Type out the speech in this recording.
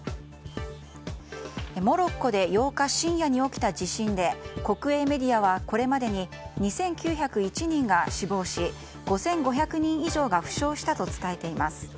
モロッコで８日深夜に起きた地震で国営メディアはこれまでに２９０１人が死亡し５５００人以上が負傷したと伝えています。